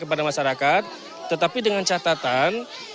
kepada masyarakat tetapi dengan catatan